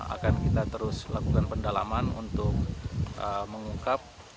akan kita terus lakukan pendalaman untuk mengungkap